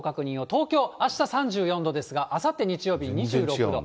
東京、あした３４度ですが、あさって日曜日２６度。